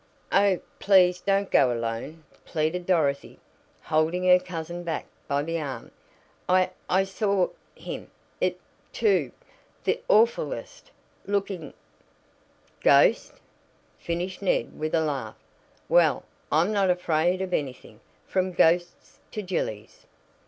"Oh, please don't go alone!" pleaded Dorothy, holding her cousin back by the arm. "I I saw him it too. The awfullest looking " "Ghost!" finished Ned with a laugh. "Well, I'm not afraid of anything, from ghosts to gillies!"